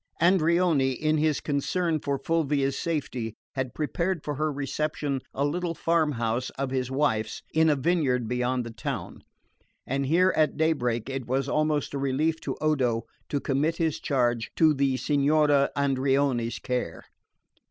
Andreoni, in his concern for Fulvia's safety, had prepared for her reception a little farm house of his wife's, in a vineyard beyond the town; and here at daybreak it was almost a relief to Odo to commit his charge to the Signora Andreoni's care.